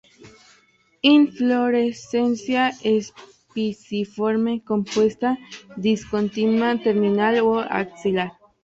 Inflorescencia espiciforme compuesta, discontinua; terminal o axilar.